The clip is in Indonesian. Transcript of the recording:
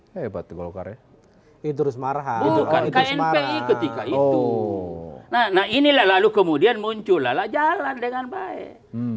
hebat gokare idrus marham bukan knpi ketika itu nah inilah lalu kemudian muncul ala jalan dengan baik